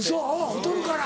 太るから。